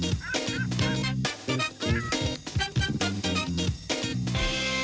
เหมือนไปทะเลมาแล้ว